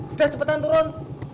udah cepetan turun